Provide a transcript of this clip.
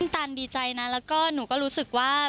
ตันดีใจนะแล้วก็หนูก็รู้สึกว่า